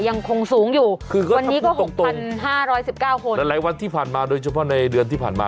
ยังคงสูงอยู่วันนี้ก็๖๕๑๙คนหลายหลายวันที่ผ่านมาโดยเฉพาะในเดือนที่ผ่านมา